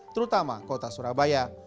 terutama kota surabaya